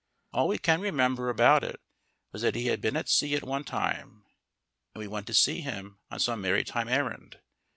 All we can remember about it was that he had been at sea at one time, and we went to see him on some maritime errand.